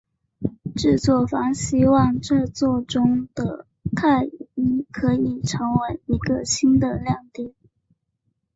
制作方希望这作中的泰伊可以成为一个新的亮点。